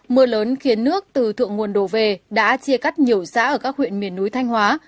mưa lớn khiến nước từ thượng nguồn đổ về đã chia cắt nhiều xã ở các huyện miền núi thanh hóa